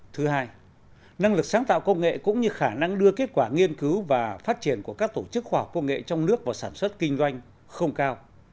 thứ hai năng lực sáng tạo công nghệ cũng như khả năng đưa kết quả nghiên cứu và phát triển của các tổ chức khoa học công nghệ trong nước vào sản xuất kinh doanh không cao